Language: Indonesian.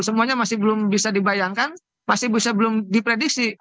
semuanya masih belum bisa dibayangkan masih bisa belum diprediksi